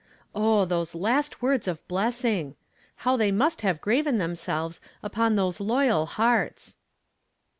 Oh, those last words of blessing f How they must have graven themselves upon those loyal hearts